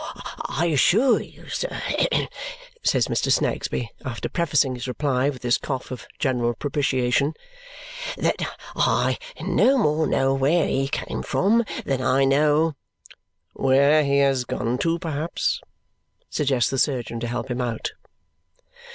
"I assure you, sir," says Mr. Snagsby after prefacing his reply with his cough of general propitiation, "that I no more know where he came from than I know " "Where he has gone to, perhaps," suggests the surgeon to help him out.